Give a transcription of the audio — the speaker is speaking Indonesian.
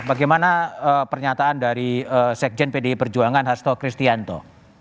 bagaimana pernyataan dari sekjen pdi perjuangan hasto kristianto